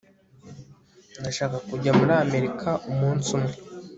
ndashaka kujya muri amerika umunsi umwe